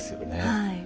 はい。